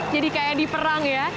jadi kayak di perang ya